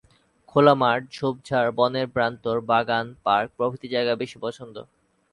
খোলা মাঠ, ঝোপঝাড়, বনের প্রান্ত, বাগান, পার্ক প্রভৃতি জায়গা বেশি পছন্দ।